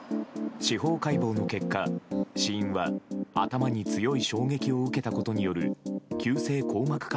司法解剖の結果、死因は頭に強い衝撃を受けたことによる急性硬膜